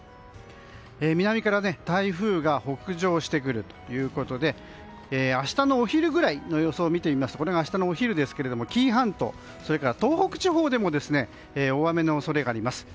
南から台風が北上してくるということで明日のお昼ぐらいの予想を見てみますと紀伊半島、それから東北地方でも大雨の恐れがあります。